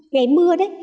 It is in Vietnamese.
ngày mưa đấy